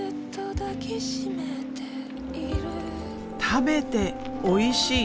食べておいしい！